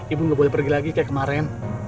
ibu nggak boleh pergi lagi kayak kemarin